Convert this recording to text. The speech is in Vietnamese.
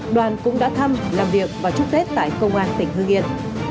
đoàn cũng đã thăm làm việc và chúc tết tại công an tỉnh hương yên